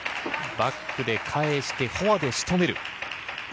バックで返してフォアで仕留める。